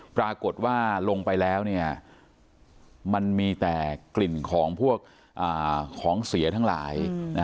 ปรากฏว่าลงไปแล้วมันมีแต่กลิ่นของพวกของเสียทั้งหลาย